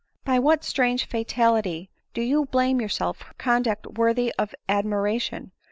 By what strange fatality do you blame yourself for conduct worthy of admiration